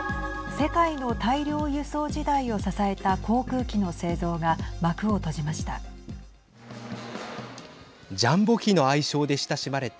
世界の大量輸送時代を支えた航空機の製造が幕を閉じました。